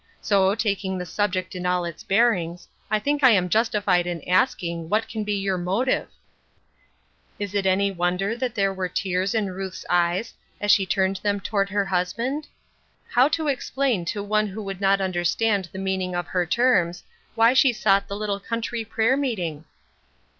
So, taking the subject in all its bearings, I think I am justified in ask ing what can be your motive ?" Is it any wonder that there were tears in Ruth's eyes, as she turned them toward her hus band ? How explain to one who would not un derstand the meaning of her terms why she sought the little country prayer meeting